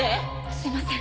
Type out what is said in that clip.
すみません